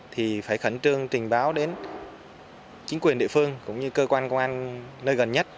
thì phải khẩn trương trình báo đến chính quyền địa phương cũng như cơ quan công an nơi gần nhất